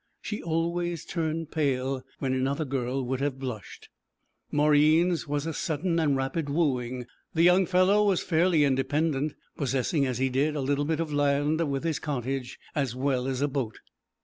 She always turned pale when another girl would have blushed. Mauryeen's was a sudden and rapid wooing. The young fellow was fairly independent, possessing as he did a little bit of land with his cottage, as well as a boat.